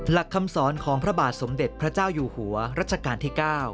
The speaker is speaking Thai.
หลักคำสอนของพระบาทสมเด็จพระเจ้าอยู่หัวรัชกาลที่๙